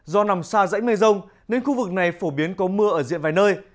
do nằm xa rãnh mây rông nên khu vực này phổ biến có mưa ở diện vài nơi